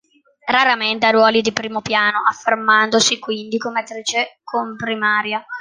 Raramente ha ruoli di primo piano, affermandosi quindi come attrice comprimaria.